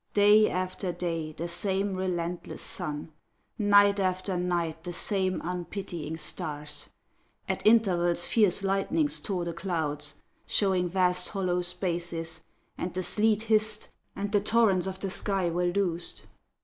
Day after day the same relentless sun, Night after night the same unpitying stars. At intervals fierce lightnings tore the clouds, Showing vast hollow spaces, and the sleet Hissed, and the torrents of the sky were loosed.